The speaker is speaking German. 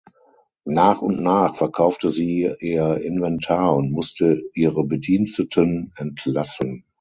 Nach und nach verkaufte sie ihr Inventar und musste ihre Bediensteten entlassen.